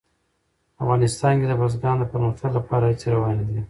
افغانستان کې د بزګانو د پرمختګ لپاره هڅې روانې دي.